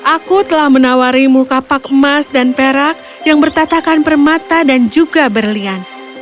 aku telah menawarimu kapak emas dan perak yang bertatakan permata dan juga berlian